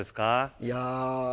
いや。